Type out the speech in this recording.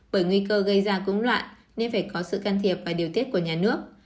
bởi nguy cơ gây ra cũng loại nên phải có sự can thiệp và điều tiết của nhà nước